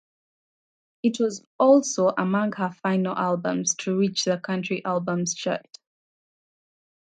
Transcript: It was also among her final albums to reach the country albums chart.